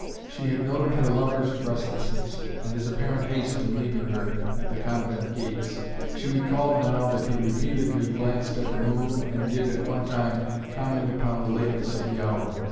She had noted her lover's restlessness, and his apparent haste in leaving her at the convent gates. She recalled now that he repeatedly glanced at the moon and did, at one time, comment upon the lateness of the hour.